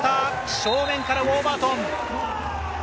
正面からウォーバートン。